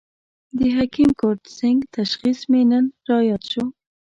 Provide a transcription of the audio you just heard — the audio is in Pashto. د حکیم کرت سېنګ تشخیص مې نن را ياد شو.